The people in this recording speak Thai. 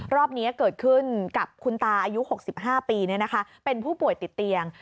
รอบนี้เกิดขึ้นกับคุณตาอายุ๖๕ปีเป็นผู้ป่วยติดเตียง